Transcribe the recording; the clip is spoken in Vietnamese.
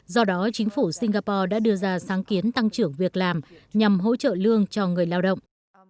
do đó chính phủ singapore đã đưa ra sáng kiến tăng trưởng việc làm nhằm hỗ trợ lương cho người lao động